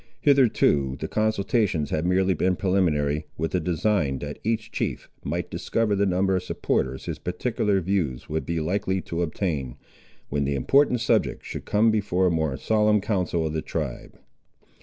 Hitherto the consultations had merely been preliminary, with a design that each chief might discover the number of supporters his particular views would be likely to obtain, when the important subject should come before a more solemn council of the tribe.